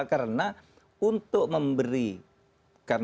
karena untuk memberikan